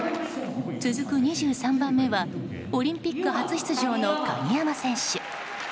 続く２３番目はオリンピック初出場の鍵山選手。